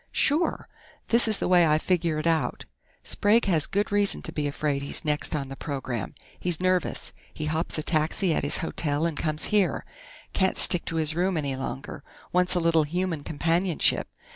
"Sure. This is the way I figure it out: Sprague has good reason to be afraid he's next on the program. He's nervous. He hops a taxi at his hotel and comes here can't stick to his room any longer. Wants a little human companionship.